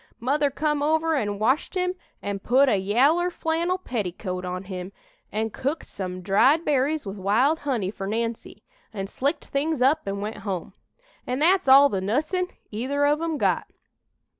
Mother come over an' washed him an' put a yaller flannel petticoat on him, an' cooked some dried berries with wild honey fur Nancy, an' slicked things up an' went home. An' that's all the nuss'n either of 'em got.